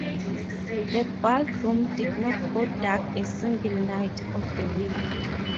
The ballroom did not go dark a single night of the week.